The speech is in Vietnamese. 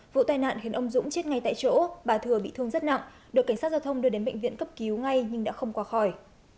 vụ tai nạn khiến ông dũng chết ngay tại chỗ bà thừa bị thương rất nặng được cảnh sát giao thông đưa đến bệnh viện cấp cứu ngay nhưng đã không qua khỏi